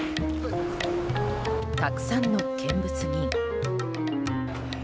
たくさんの見物人。